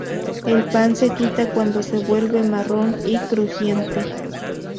El pan se quita cuando se vuelve marrón y crujiente.